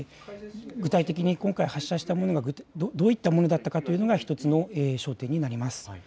具体的に今回、発射したものがどういったものだったかというのが１つの焦点になります。